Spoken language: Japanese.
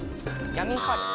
ヤミーカレー。